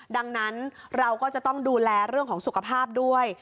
ดังนั้นเราก็จะต้องดูแลเรื่องของสุขภาพด้วย